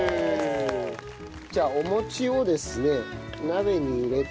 じゃあお餅をですね鍋に入れて。